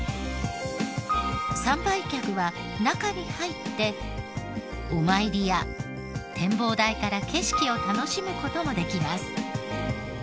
参拝客は中に入ってお参りや展望台から景色を楽しむ事もできます。